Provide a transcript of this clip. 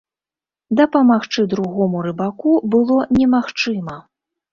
Дапамагчы другому рыбаку было немагчыма.